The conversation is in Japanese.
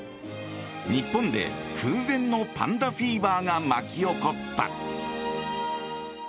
日本で空前のパンダフィーバーが巻き起こった。